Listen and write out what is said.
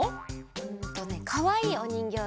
うんとねかわいいおにんぎょうで。